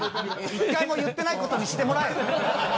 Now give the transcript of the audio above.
１回も言ってないことにしてもらえ！